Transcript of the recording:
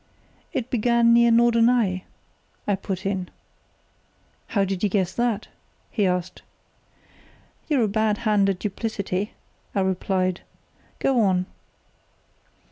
"It began near Norderney," I put in. "How did you guess that?" he asked. "You're a bad hand at duplicity," I replied. "Go on."